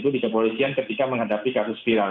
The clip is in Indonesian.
di kepolisian ketika menghadapi kasus viral